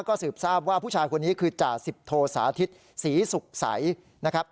ก็สืบทราบว่าผู้ชายคนนี้คือจ่าสิบโทสาธิตศรีสุขใสนะครับ